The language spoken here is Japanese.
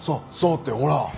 ってほら！